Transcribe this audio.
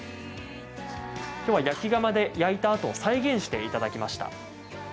きょうは焼き窯で焼いたあとを再現していただきました。